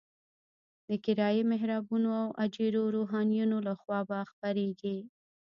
د کرایي محرابونو او اجیرو روحانیونو لخوا به خپرېږي.